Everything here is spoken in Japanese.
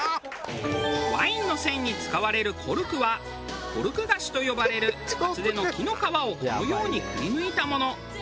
ワインの栓に使われるコルクはコルクガシと呼ばれる厚手の木の皮をこのようにくりぬいたもの。